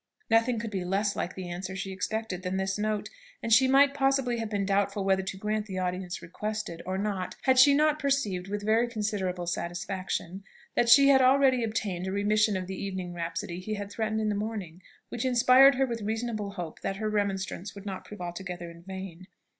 Nothing could be less like the answer she expected than this note, and she might possibly have been doubtful whether to grant the audience requested, or not, had she not perceived, with very considerable satisfaction, that she had already obtained a remission of the evening rhapsody he had threatened in the morning, which inspired her with reasonable hope that her remonstrance would not prove altogether in vain.